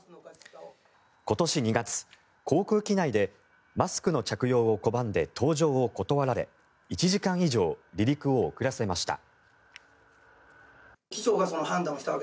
今年２月、航空機内でマスクの着用を拒んで搭乗を断られ１時間以上離陸を遅らせました。